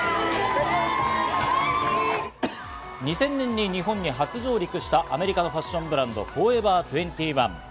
２０００年に日本に初上陸したアメリカのファッションブランド、フォーエバー２１。